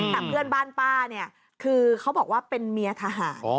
แต่เพื่อนบ้านป้าเนี่ยคือเขาบอกว่าเป็นเมียทหาร